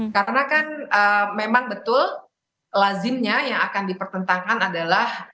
karena kan memang betul lazimnya yang akan dipertentangkan adalah